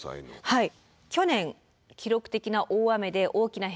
はい。